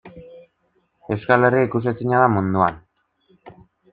Euskal Herria ikusezina da munduan?